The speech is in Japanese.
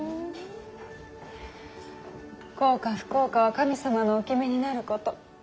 幸か不幸かは神様のお決めになること。